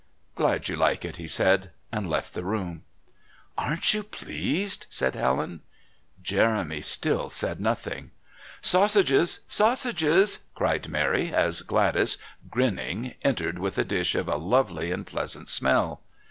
"Glad you like it," he said, and left the room. "Aren't you pleased?" said Helen. Jeremy still said nothing. "Sausages. Sausages!" cried Mary, as Gladys, grinning, entered with a dish of a lovely and pleasant smell.